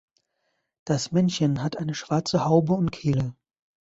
Das Männchen hat eine schwarze Haube und Kehle.